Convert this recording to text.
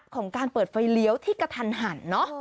ของการเปิดไฟเลี้ยวที่กระทันหันเนอะ